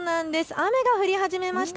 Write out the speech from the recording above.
雨が降り始めました。